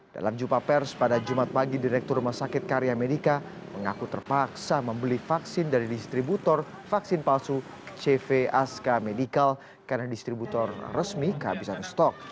dalam jumpa pers pada jumat pagi direktur rumah sakit karya medica mengaku terpaksa membeli vaksin dari distributor vaksin palsu cv aska medical karena distributor resmi kehabisan stok